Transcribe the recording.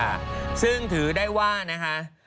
ค่ะซึ่งถือได้ว่านะคะ